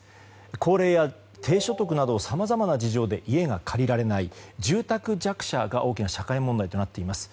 高齢や低所得などさまざまな事情で家が借りられない住宅弱者が大きな社会問題になっています。